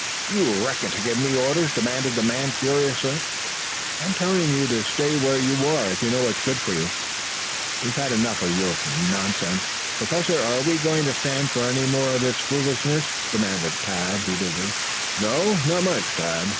You reckon to give me orders?" demanded the man furiously. "I'm telling you two to stay where you are if you know what's good for you. We have had about enough of your nonsense. Professor, are we going to stand for any more of this foolishness?" demanded Tad heatedly. "No, not much, Tad.